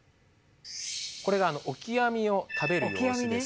これがオキアミを食べる様子です。